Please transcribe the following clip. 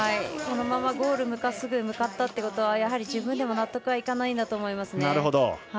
このままゴールにすぐ向かったということはやはり自分でも納得はいかないんだと思いますね。